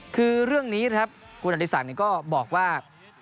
คือเรื่องนี้นะครับคุณอดีศักดิ์ก็บอกว่า